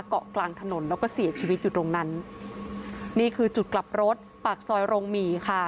เกาะกลางถนนแล้วก็เสียชีวิตอยู่ตรงนั้นนี่คือจุดกลับรถปากซอยโรงหมี่ค่ะ